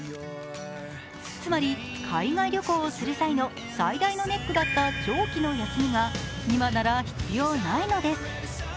つまり、海外旅行をする際の最大のネックだった長期の休みが今なら必要ないのです。